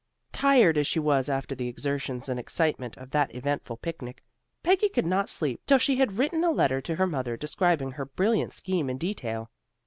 Tired as she was after the exertions and excitement of that eventful picnic, Peggy could not sleep till she had written a letter to her mother describing her brilliant scheme in detail.